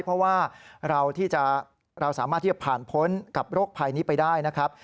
เพราะว่าเราสามารถที่จะผ่านพ้นกับโรคภัยนี้ไปได้นะครับ